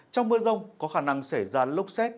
trong mưa rông có khả năng xảy ra lốc xét